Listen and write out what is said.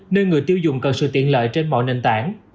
nên người tiêu dùng cần sự tiện lợi trên mọi nền tảng